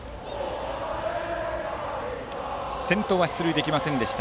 先頭は出塁できませんでした。